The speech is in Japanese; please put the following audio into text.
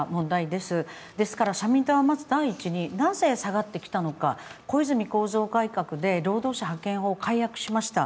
ですから社民党はまず第一になぜ下がってきたのか、小泉構造改革で労働者派遣法を改悪しました。